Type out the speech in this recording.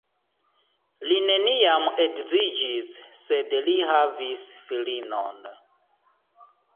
Li neniam edziĝis, sed li havis filinon.